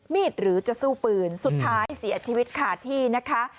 หรือจะสู้ปืนสุดท้ายเสียชีวิตขาดที่นะคะ